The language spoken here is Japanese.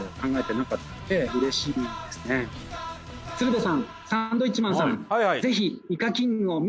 鶴瓶さんサンドウィッチマンさん